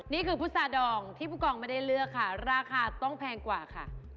พุษาดองที่ผู้กองไม่ได้เลือกค่ะราคาต้องแพงกว่าค่ะ